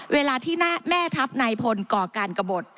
เวลาที่แม่ทัพนายพลก่อการกระบด